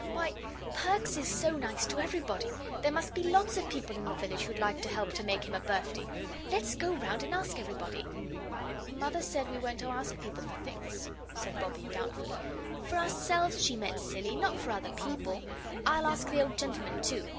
"Why, Perks is so nice to everybody. There must be lots of people in the village who'd like to help to make him a birthday. Let's go round and ask everybody." "Mother said we weren't to ask people for things," said Bobbie, doubtfully. "For ourselves, she meant, silly, not for other people. I'll ask the old gentleman too.